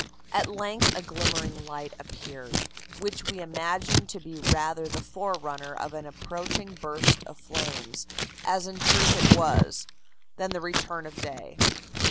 "At length a glimmering light appeared, which we imagined to be rather the forerunner of an approaching burst of flames, as in truth it was, than the return of day.